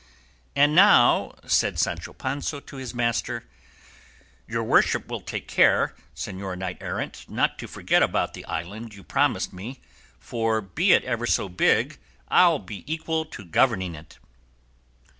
And now said Sancho Panza to his master, "Your worship will take care, Señor Knight errant, not to forget about the island you have promised me, for be it ever so big I'll be equal to governing it."